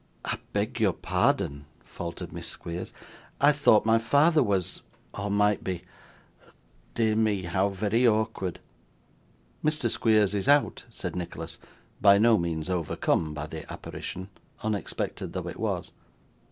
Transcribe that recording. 'I beg your pardon,' faltered Miss Squeers; 'I thought my father was or might be dear me, how very awkward!' 'Mr. Squeers is out,' said Nicholas, by no means overcome by the apparition, unexpected though it was.